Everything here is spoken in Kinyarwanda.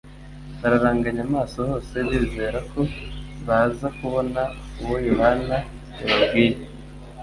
bararanganya amaso hose bizera ko baza kubona uwo Yohana yababwiye.